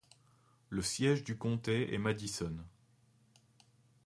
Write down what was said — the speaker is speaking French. Le siège du comté est Madison.